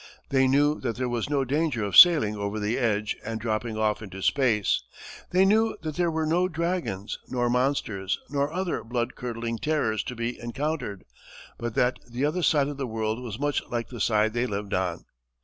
They knew that there was no danger of sailing over the edge and dropping off into space; they knew that there were no dragons, nor monsters, nor other blood curdling terrors to be encountered, but that the other side of the world was much like the side they lived on.